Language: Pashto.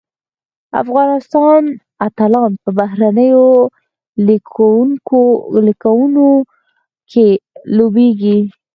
افغان اتلان په بهرنیو لیګونو کې لوبیږي.